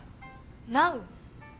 ナウ？